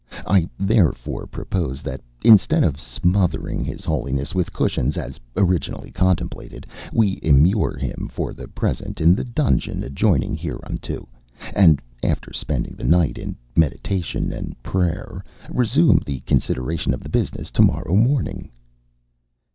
I therefore propose that, instead of smothering his Holiness with cushions, as originally contemplated, we immure him for the present in the dungeon adjoining hereunto, and, after spending the night in meditation and prayer, resume the consideration of the business tomorrow morning."